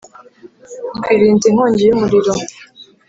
Twirinze inkongi yumuriro